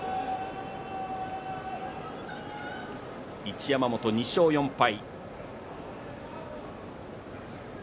一山本２勝４敗。